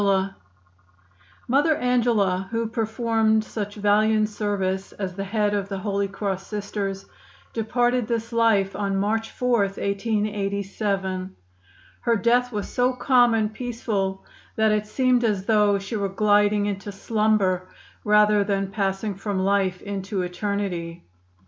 Mother Angela, who performed such valiant service as the head of the Holy Cross Sisters, departed this life on March 4, 1887. Her death was so calm and peaceful that it seemed as though she were gliding into slumber rather than passing from life into eternity.